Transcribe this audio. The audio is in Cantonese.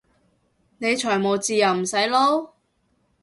你財務自由唔使撈？